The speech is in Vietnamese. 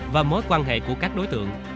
và mối quan hệ của các đối tượng